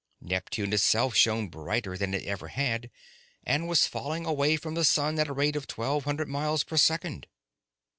Neptune itself shone brighter than it ever had, and was falling away from the sun at a rate of twelve hundred miles per second.